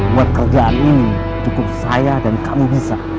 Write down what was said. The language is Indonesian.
buat kerjaan ini cukup saya dan kamu bisa